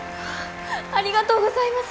ありがとうございます！！